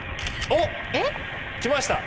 おっきました！